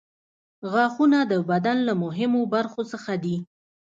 غاښونه د بدن له مهمو برخو څخه دي.